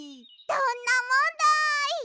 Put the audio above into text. どんなもんだい！